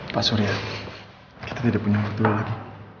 pak surya kita tidak punya ketua lagi